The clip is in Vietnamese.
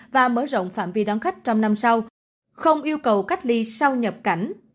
và mở rộng phạm vi đón khách trong năm sau không yêu cầu cách ly sau nhập cảnh